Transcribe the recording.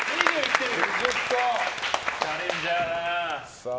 チャレンジャーだな。